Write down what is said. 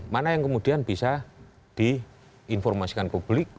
mana yang kemudian bisa diinformasikan ke publik